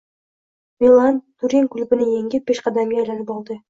“Milan” Turin klubini yengib, peshqadamga aylanib oldi